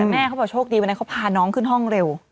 แม่เขาบอกโชคดีว่าเขาพาน้องขึ้นห้องเร็ว